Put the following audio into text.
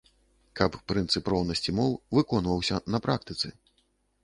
Каб прынцып роўнасці моў выконваўся на практыцы.